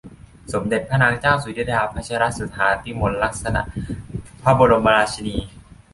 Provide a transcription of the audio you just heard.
สมเด็จพระนางเจ้าสุทิดา พัชรสุธาพิมลลักษณ พระบรมราชินี